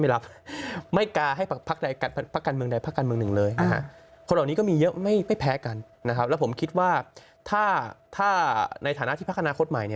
และผมคิดว่าถ้าในฐานะที่พักฎาคสมัย